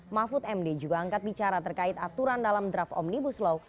mahfud md juga angkat bicara terkait aturan dalam draft omnibus law